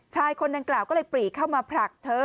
ชายคนดังกล่าวก็เลยปรีเข้ามาผลักเธอ